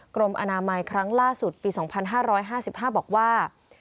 กรมอนามัยครั้งล่าสุดปี๒๕๕๕บอกว่า